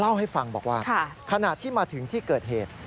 เล่าให้ฟังบอกว่าขณะที่มาถึงที่เกิดเหตุ